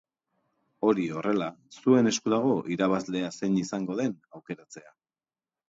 Hori horrela, zuen esku dago irabazlea zein izango den aukeratzea.